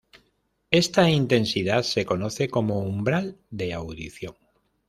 Esta intensidad se conoce como umbral de audición.